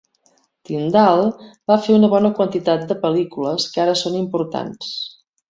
Tindale va fer una bona quantitat de pel·lícules que ara són importants.